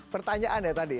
pertanyaan ya tadi